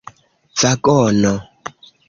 vagono